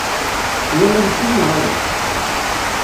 Twalam-ten neɣ ala?